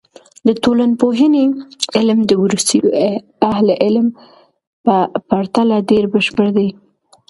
د ټولنپوهنې علم د وروستیو اهل علم په پرتله ډېر بشپړ دی.